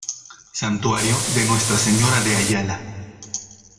Santuario de Nuestra Señora de Ayala.